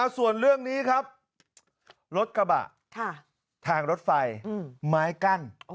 ส่วนเรื่องนี้ครับรถกระบะทางรถไฟไม้กั้น